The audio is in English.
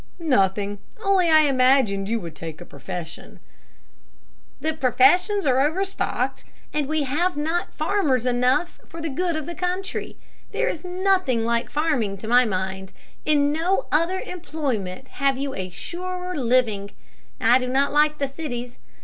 "Nothing, only I imagined that you would take a profession." "The professions are overstocked, and we have not farmers enough for the good of the country. There is nothing like farming, to my mind. In no other employment have you a surer living. I do not like the cities.